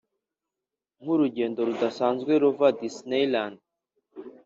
nkurugendo rudasanzwe ruva disneyland